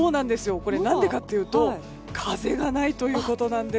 これ、何でかというと風がないということなんです。